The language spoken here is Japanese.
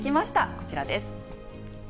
こちらです。